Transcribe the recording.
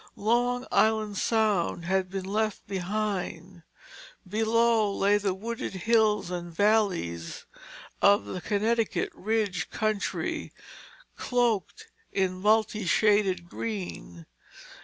Long Island Sound had been left behind. Below lay the wooded hills and valleys of the Connecticut ridge country, cloaked in multi shaded green.